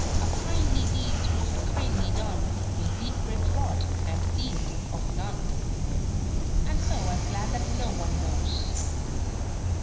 'A kindly deed's most kindly done In secret wrought, and seen of none. And so I'm glad that no one knows.'